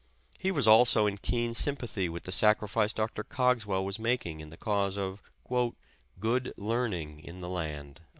He was also in keen sympathy with the sacrifice Dr. Cogswell was making in the cause of ''good learning in the land."